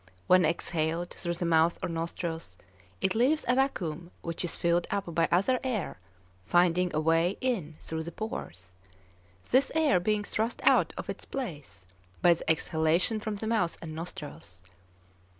When exhaled through the mouth or nostrils, it leaves a vacuum which is filled up by other air finding a way in through the pores, this air being thrust out of its place by the exhalation from the mouth and nostrils.